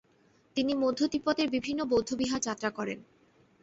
তিনি মধ্য তিব্বতের বিভিন্ন বৌদ্ধবিহার যাত্রা করেন।